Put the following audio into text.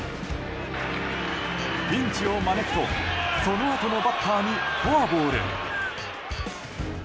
ピンチを招くとそのあとのバッターにフォアボール。